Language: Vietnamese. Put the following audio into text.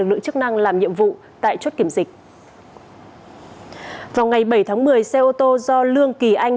lực lượng chức năng làm nhiệm vụ tại chốt kiểm dịch vào ngày bảy tháng một mươi xe ô tô do lương kỳ anh